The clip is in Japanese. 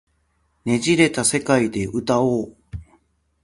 捻れた世界で歌おう